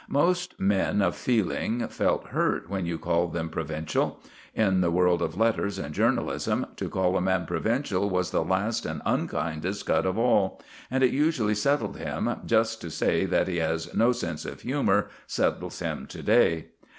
Most men of feeling felt hurt when you called them provincial. In the world of letters and journalism to call a man provincial was the last and unkindest cut of all, and it usually settled him, just as to say that he has no sense of humour settles him to day.